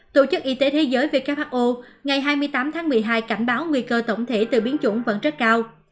tổ chức y tế thế giới who ngày hai mươi tám tháng một mươi hai cảnh báo nguy cơ tổng thể từ biến chủng vẫn rất cao